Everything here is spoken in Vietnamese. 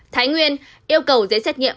thái nguyên yêu cầu dễ xét nghiệm